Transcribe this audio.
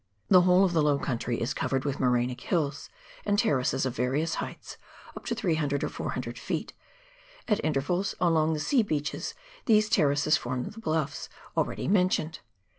The whole of the low country is covered with morainic hills and terraces of various heights up to 300 or 400 ft. ; at intervals along the sea beaches these terraces form the bluffs already mentioned.